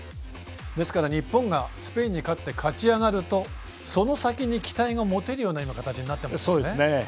ですから日本がスペインに勝って勝ち上がると、その先に期待が持てるような形に今、なっていますね。